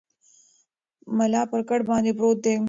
ملا پر کټ باندې پروت دی.